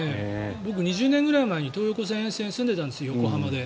僕、２０年くらい前に東横線沿線に住んでたんです横浜で。